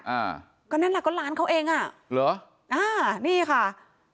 อ่าก็นั่นแหละก็ร้านเขาเองอ่ะเหรออ่านี่ค่ะ